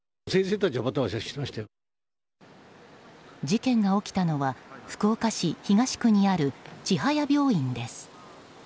事件が起きたのは福岡市東区にある千早病院です。